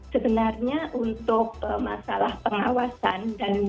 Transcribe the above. sebenarnya untuk masalah pengawasan